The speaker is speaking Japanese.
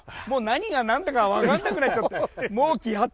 何が何だか分からなくなっちゃって。